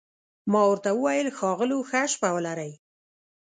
ما ورته وویل: ښاغلو، ښه شپه ولرئ.